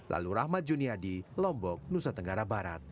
lalu rahmat juniadi lombok nusa tenggara barat